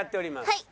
はい。